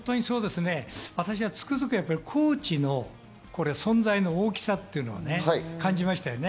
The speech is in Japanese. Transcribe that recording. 私はつくづくコーチの存在の大きさっていうのを感じましたね。